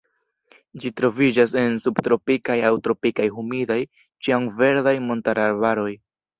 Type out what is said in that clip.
Ĝi troviĝas en subtropikaj aŭ tropikaj humidaj ĉiamverdaj montararbaroj.